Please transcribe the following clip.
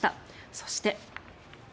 そして。